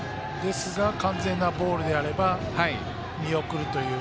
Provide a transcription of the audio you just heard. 完全なボールであれば見送るという。